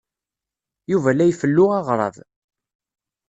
Yuba la ifellu aɣrab.